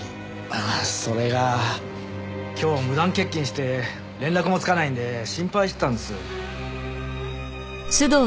ああそれが今日無断欠勤して連絡もつかないんで心配してたんです。